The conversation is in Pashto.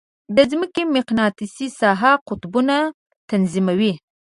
د مځکې مقناطیسي ساحه قطبونه تنظیموي.